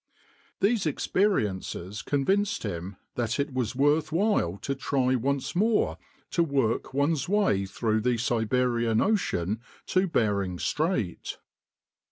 These experiences convinced him that it was worth while to try once more to work one's way through the Siberian ocean to Bering Strait.